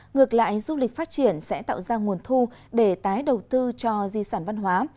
ngược lại du lịch phát triển sẽ tạo ra nguồn thu để tái đầu tư cho di sản văn hóa